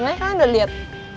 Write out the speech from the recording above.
makanya kalian udah liat